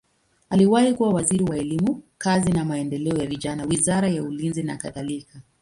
Aliwahi kuwa waziri wa elimu, kazi na maendeleo ya vijana, wizara ya ulinzi nakadhalika.